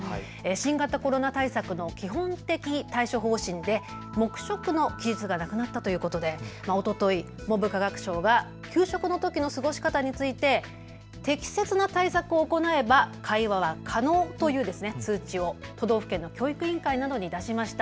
新型コロナ対策の基本的対処方針で黙食の記述がなくなったということでおととい文部科学省が給食のときの過ごし方について適切な対策を行えば会話は可能という通知を都道府県の教育委員会などに出しました。